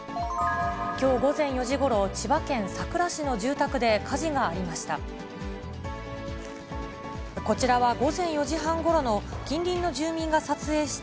きょう午前４時ごろ、千葉県佐倉市の住宅で火事がありました。